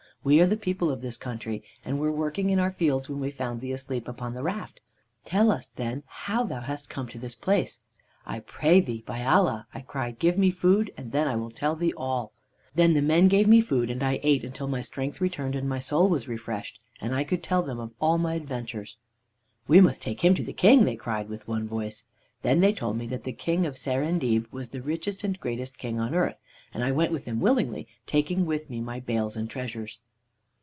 We are the people of this country, and were working in our fields when we found thee asleep upon the raft. Tell us, then, how thou hast come to this place.' "I pray thee, by Allah." I cried, 'give me food, and then I will tell thee all.' "Then the men gave me food, and I ate until my strength returned and my soul was refreshed, and I could tell them of all my adventures. "'We must take him to the King,' they cried with one voice. "Then they told me that the King of Serendib was the richest and greatest king on earth, and I went with them willingly, taking with me my bales and treasures.